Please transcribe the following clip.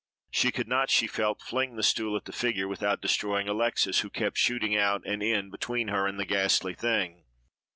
She could not, she felt, fling the stool at the figure without destroying Alexes, who kept shooting out and in between her and the ghastly thing.